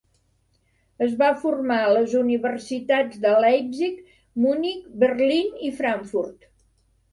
Es va formar a les Universitats de Leipzig, Munic, Berlín i Frankfurt.